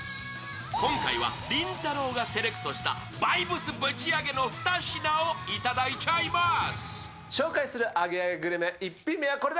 今回はりんたろーがセレクトしたバイブスブチあげの２品をいただいちゃいまーす。